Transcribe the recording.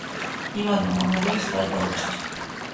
ივანოვმა მედვედევს მხარი დაუჭირა.